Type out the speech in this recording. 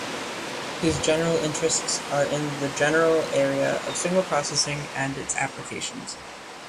His research interests are in the general area of signal processing and its applications.